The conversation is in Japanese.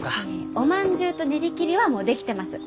おまんじゅうと練り切りはもう出来てます。